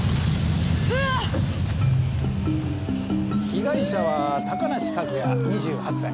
被害者は高梨一弥２８歳。